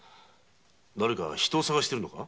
だれか人を捜しているのか？